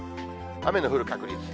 雨の降る確率。